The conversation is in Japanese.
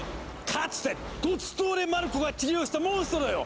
かつてドツトーレ・マルコが治療したモンストロよ！